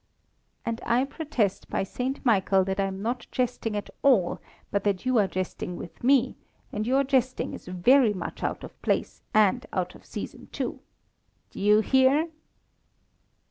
"And I protest by St. Michael that I am not jesting at all, but that you are jesting with me; and your jesting is very much out of place, and out of season, too. D'ye hear?"